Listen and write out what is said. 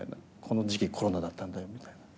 この時期コロナだったんだよみたいな。